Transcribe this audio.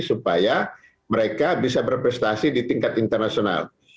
supaya mereka bisa berprestasi di tingkat internasional